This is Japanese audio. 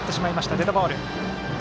デッドボール。